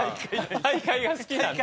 大会が好きなんだよ。